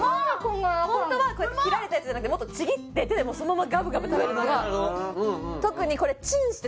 ホントは切られたやつじゃなくてもっとちぎって手でそのままがぶがぶ食べるのが特にこれそうなの？